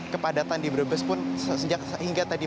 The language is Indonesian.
kepadatan di brebes pun sejak hingga tadi